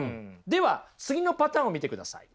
では次のパターンを見てください。